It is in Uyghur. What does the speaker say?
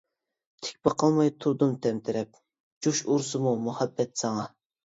تىك باقالماي تۇردۇم تەمتىرەپ، جۇش ئۇرسىمۇ مۇھەببەت ساڭا.